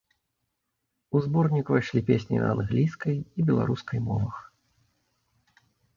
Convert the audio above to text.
У зборнік увайшлі песні на англійскай і беларускай мовах.